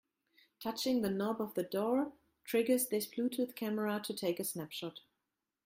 Touching the knob of the door triggers this Bluetooth camera to take a snapshot.